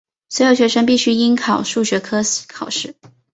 所有学生必须应考数学科考试。